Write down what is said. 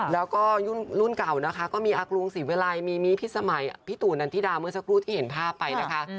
แล้วก็รุ่นเก่านะคะก็มีอากรุงศรีวิลัยมีมีพี่สมัยพี่ตู่นันทิดาเมื่อสักครู่ที่เห็นภาพไปนะคะ